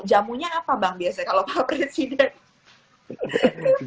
jamunya apa bang biasanya kalau pak presiden